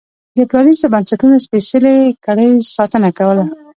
د پرانیستو بنسټونو سپېڅلې کړۍ ساتنه کوله.